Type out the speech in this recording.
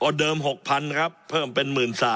เดิม๖๐๐๐ครับเพิ่มเป็น๑๓๐๐